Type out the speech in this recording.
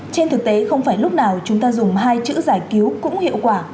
trên thực tế không phải lúc nào chúng ta dùng hai chữ giải cứu cũng hiệu quả